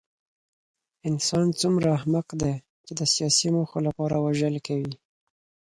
انسان څومره احمق دی چې د سیاسي موخو لپاره وژل کوي